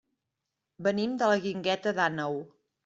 Venim de la Guingueta d'Àneu.